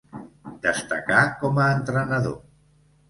Destacà com a entrenador.